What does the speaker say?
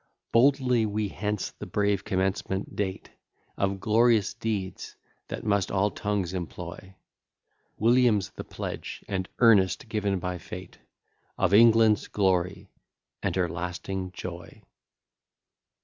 Boldly we hence the brave commencement date Of glorious deeds, that must all tongues employ; William's the pledge and earnest given by fate, Of England's glory, and her lasting joy.